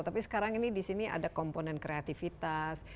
tapi sekarang ini di sini ada komponen kreativitas